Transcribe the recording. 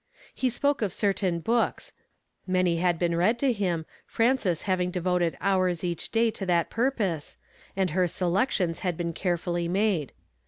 He spoke of certain books ; many had been read to him, Frances having devoted hours each day to that purpose, and her selections had been carefully made.